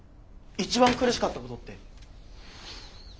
一番苦しかったこと。